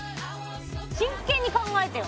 真剣に考えてよ！